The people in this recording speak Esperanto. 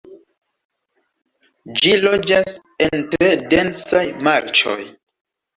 Ĝi loĝas en tre densaj marĉoj.